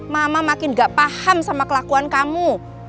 mama makin gak paham sama kelakuan kamu